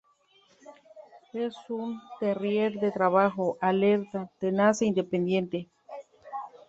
Es un terrier de trabajo, alerta, tenaz e independiente.